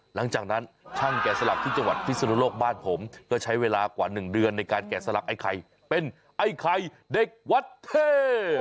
หลังจากนั้นช่างแกะสลักที่จังหวัดพิศนุโลกบ้านผมก็ใช้เวลากว่า๑เดือนในการแกะสลักไอ้ไข่เป็นไอ้ไข่เด็กวัดเทพ